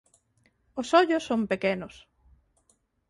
Os ollos son pequenos.